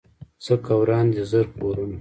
څه که وران دي زر کورونه